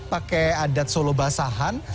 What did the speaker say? pakai adat solo basahan